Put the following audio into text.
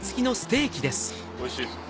おいしいですか？